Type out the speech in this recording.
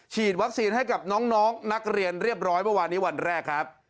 ฉีดวัคซีนให้กับน้องนักเรียนเรียบร้อยเมื่อวานนี้วันแรกครับ